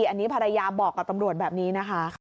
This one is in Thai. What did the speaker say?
อันนี้ภรรยาบอกกับตำรวจแบบนี้นะคะ